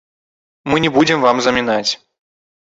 Мы не будзем вам замінаць.